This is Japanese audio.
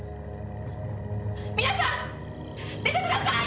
皆さん出てください！